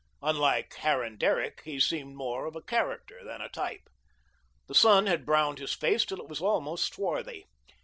Unlike Harran Derrick, he seemed more of a character than a type. The sun had browned his face till it was almost swarthy.